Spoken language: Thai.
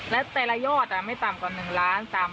และแต่ละยอดไม่ตามกว่า๑ล้าน๓ล้านถึง๕๐ล้าน